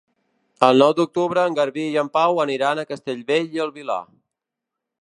El nou d'octubre en Garbí i en Pau aniran a Castellbell i el Vilar.